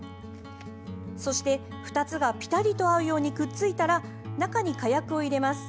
そして、２つがぴたりと合うようにくっついたら中に火薬を入れます。